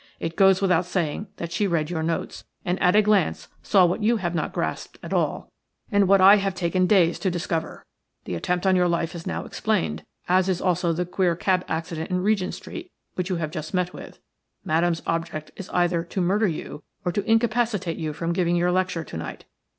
It goes without saying that she read your notes, and at a glance saw what you have not grasped at all, and what I have taken days to discover. The attempt on your life is now explained, as is also the queer cab accident in Regent Street which you have just met with. Madame's object is either to murder you or to incapacitate you from giving your lecture to night.